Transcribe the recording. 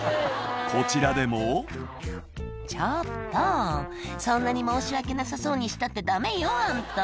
こちらでも「ちょっとそんなに申し訳なさそうにしたってダメよあんた」